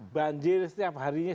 banjir setiap harinya